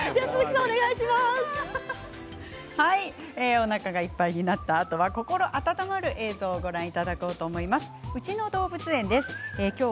おなかがいっぱいになったあとは心温まる映像をご覧いただきましょう。